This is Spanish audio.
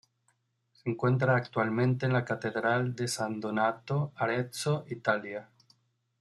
Se encuentra actualmente en la Catedral de San Donato, Arezzo, Italia.